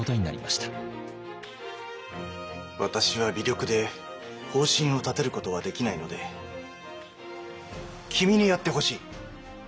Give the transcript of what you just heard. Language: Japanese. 私は微力で方針を立てることはできないので君にやってほしい。